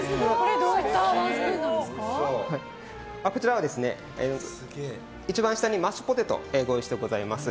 どういった一番下にマッシュポテトをご用意してございます。